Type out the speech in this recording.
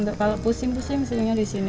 kalau pusing pusing seringnya di sini